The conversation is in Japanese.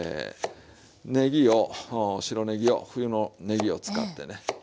ねぎを白ねぎを冬のねぎを使ってね。